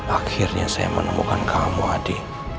akhirnya saya menemukan kamu adik